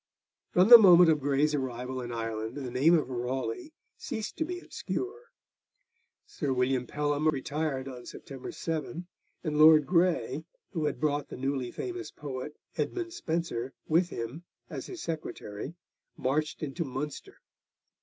From the moment of Grey's arrival in Ireland, the name of Raleigh ceased to be obscure. Sir William Pelham retired on September 7, and Lord Grey, who had brought the newly famous poet, Edmund Spenser, with him as his secretary, marched into Munster.